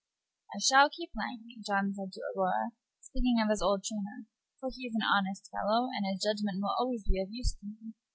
"I shall keep Langley," John said to Aurora, speaking of his old trainer; "for he's an honest fellow, and his judgment will always be of use to me.